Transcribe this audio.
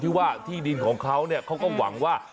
ที่ว่าที่ดินของเขาเขาก็หวังว่า